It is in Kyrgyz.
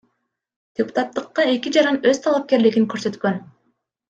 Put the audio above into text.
Депутаттыкка эки жаран өз талапкерлигин көрсөткөн.